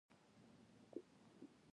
حضرت عمر، عثمان او علی هم صحابه وو.